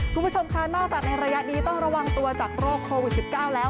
คุณผู้ชมค่ะนอกจากในระยะนี้ต้องระวังตัวจากโรคโควิด๑๙แล้ว